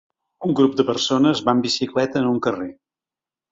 Un grup de persones va en bicicleta en un carrer